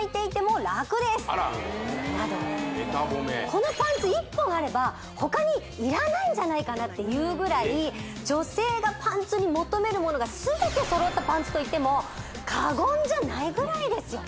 このパンツ１本あればほかにいらないんじゃないかなっていうぐらい女性がパンツに求めるものがすべてそろったパンツといっても過言じゃないぐらいですよ